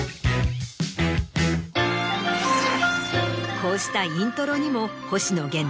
こうしたイントロにも。